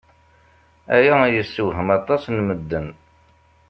Aya yessewhem aṭas n medden.